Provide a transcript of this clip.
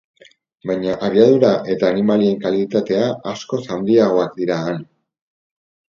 Baina abiadura eta animalien kalitatea askoz handiagoak dira han.